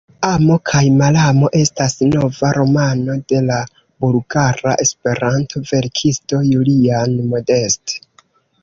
Amo kaj malamo estas nova romano de la bulgara Esperanto-verkisto Julian Modest.